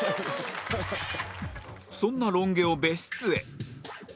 そんなロン毛を別室へ